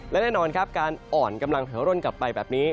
และแน่นอนครับการอ่อนกำลังถอยร่นกลับไปแบบนี้